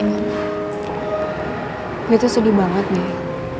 gue tuh sedih banget deh